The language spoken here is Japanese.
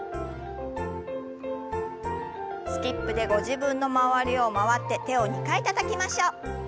スキップでご自分の周りを回って手を２回たたきましょう。